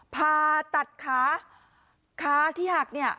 ผ่าตัดขาขาที่หักเนี่ย